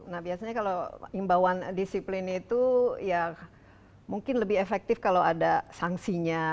nah biasanya kalau imbauan disiplin itu ya mungkin lebih efektif kalau ada sanksinya